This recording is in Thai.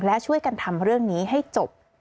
และช่วยกันทำเรื่องนี้ให้จบ